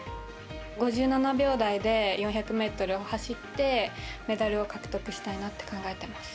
５７秒台で４００ｍを走ってメダルを獲得したいなと考えています。